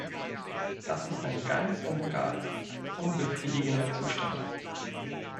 Das ist ein ganz und gar unbefriedigender Zustand.